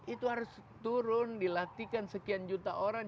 itu harus turun dilatihkan sekian juta orang